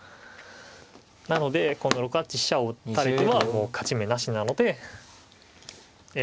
なのでこの６八飛車を打たれてはもう勝ち目なしなのでええ。